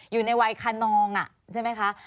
อยู่ในวัยคนนองใช่ไหมคะ